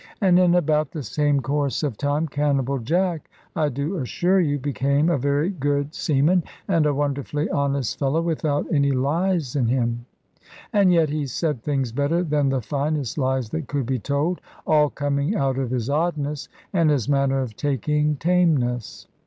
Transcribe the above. And in about the same course of time, Cannibal Jack, I do assure you, became a very good seaman, and a wonderfully honest fellow, without any lies in him. And yet he said things better than the finest lies that could be told, all coming out of his oddness, and his manner of taking tameness.